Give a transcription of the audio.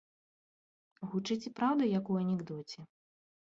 Гучыць і праўда, як у анекдоце.